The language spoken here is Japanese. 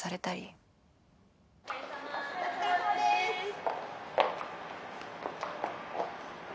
お疲れさまです！